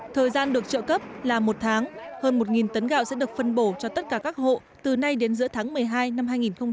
thời gian được trợ cấp là một tháng hơn một tấn gạo sẽ được phân bổ cho tất cả các hộ từ nay đến giữa tháng một mươi hai năm hai nghìn hai mươi